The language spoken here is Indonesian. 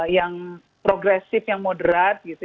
yang progresif yang moderat gitu